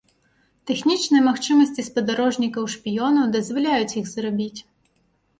Тэхнічныя магчымасці спадарожнікаў-шпіёнаў дазваляюць іх зрабіць.